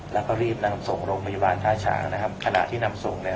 แล้วก็รีบนำส่งโรงพยาบาลท่าฉางนะครับขณะที่นำส่งเนี่ย